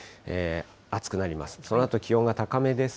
暑くなります。